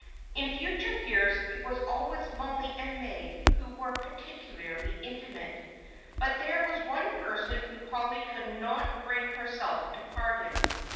In future years it was always Mollie and Meg who were particularly intimate. But there was one person whom Polly could not bring herself to pardon.